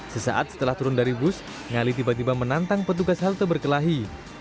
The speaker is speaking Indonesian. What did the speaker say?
sesaat setelah turun dari bus ngali tiba tiba menantang petugas halte berkelahi